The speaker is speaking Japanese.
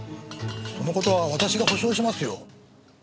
その事は私が保証しますよ。